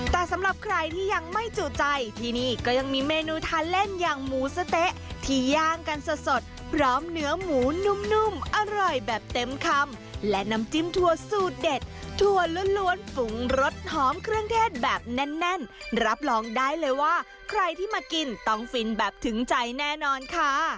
แต่สำหรับใครที่ยังไม่จุใจที่นี่ก็ยังมีเมนูทานเล่นอย่างหมูสะเต๊ะที่ย่างกันสดพร้อมเนื้อหมูนุ่มอร่อยแบบเต็มคำและน้ำจิ้มถั่วสูตรเด็ดถั่วล้วนปรุงรสหอมเครื่องเทศแบบแน่นรับรองได้เลยว่าใครที่มากินต้องฟินแบบถึงใจแน่นอนค่ะ